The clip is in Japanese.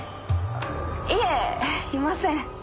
いえいません。